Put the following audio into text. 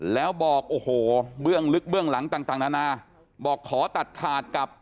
แล้วบอกโอ้โหเบื้องลึกเบื้องหลังต่างนานาบอกขอตัดขาดกับ